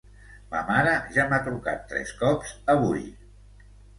Ma mare ja m'ha trucat tres cops avui.